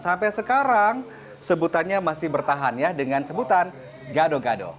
sampai sekarang sebutannya masih bertahan ya dengan sebutan gado gado